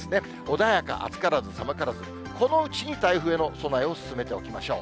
穏やか、暑からず寒からず、このうちに台風への備えを進めておきましょう。